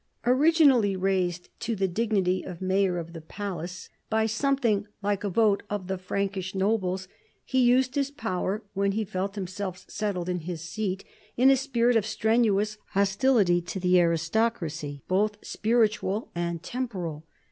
Originally raised to the dignity of mayor of the palace by something like a vote of the Frankish nobles, he used bis power, when he felt himself settled in his seat, in a spirit of strenuous hostility to the aristocracy, both spiritual and temporal.